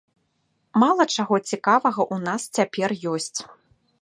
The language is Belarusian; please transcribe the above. Мала чаго цікавага ў нас цяпер ёсць.